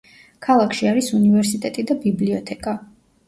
ქალაქში არის უნივერსიტეტი და ბიბლიოთეკა.